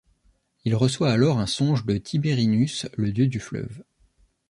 Il reçoit alors un songe de Tibérinus, le dieu du fleuve.